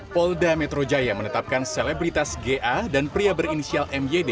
polda metrojaya menetapkan selebritas ga dan pria berinisial myd